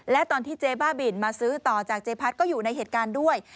และตอนที่เจ๊บ้าบินมาซื้อต่อจากเจ๊พัดก็อยู่ในเหตุการณ์ด้วย